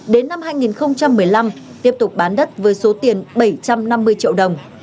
đến năm hai nghìn một mươi năm tiếp tục bán đất với số tiền bảy trăm năm mươi triệu đồng